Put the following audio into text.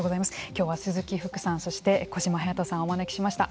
きょうは鈴木福さんそして小島勇人さんをお招きしました。